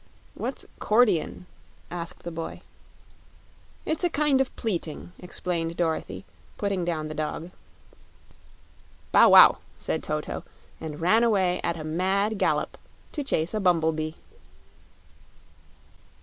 "What's 'cordeon?" asked the boy. "It's a kind of pleating," explained Dorothy, putting down the dog. "Bow wow!" said Toto, and ran away at a mad gallop to chase a bumble bee.